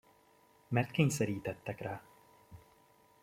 Mert kényszerítettek rá!